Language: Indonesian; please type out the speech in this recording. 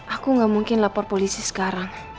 aku gak mungkin lapor polisi sekarang